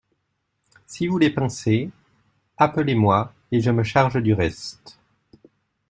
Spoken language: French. Si vous les pincez, appelez-moi, et je me charge du reste.